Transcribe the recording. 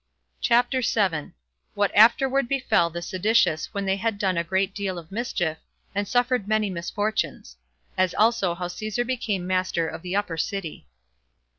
CHAPTER 7. What Afterward Befell The Seditious When They Had Done A Great Deal Of Mischief, And Suffered Many Misfortunes; As Also How Caesar Became Master Of The Upper City.